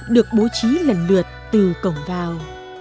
được bố trí lần lượt từ cổng vào